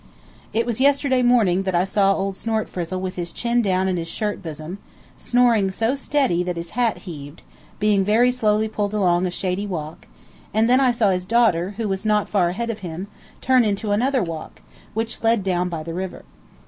It was yesterday morning that I saw old Snortfrizzle with his chin down on his shirt bosom, snoring so steady that his hat heaved, being very slowly pulled along a shady walk, and then I saw his daughter, who was not far ahead of him, turn into another walk, which led down by the river.